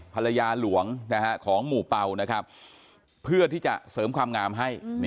ภรรยาหลวงของหมู่เป่านะครับเพื่อที่จะเสริมความงามให้